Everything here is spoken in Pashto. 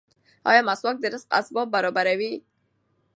ایا مسواک د رزق اسباب برابروي؟